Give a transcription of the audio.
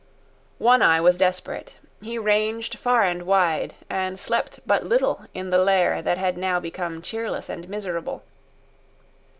One Eye was desperate. He ranged far and wide, and slept but little in the lair that had now become cheerless and miserable.